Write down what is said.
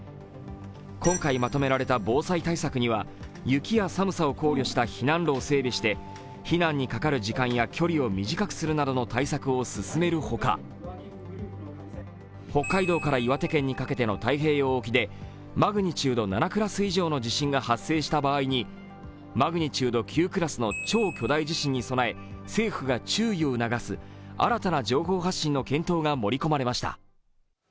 今回、まとめられた防災対策には雪や寒さを考慮した避難路を整備して避難にかかる時間や距離を短くするなどの対策を進めるほか、北海道から岩手県にかけての太平洋沖でマグニチュード７クラス以上の地震が発生した場合にマグニチュード９クラスの超巨大地震に備え政府が注意を促す新たな情報発信の検討が盛り込まれました。